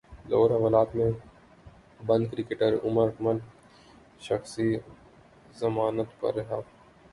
لاہور حوالات مں بند کرکٹر عمر اکمل شخصی ضمانت پر رہا